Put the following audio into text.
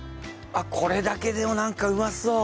これだけでもなんかうまそう！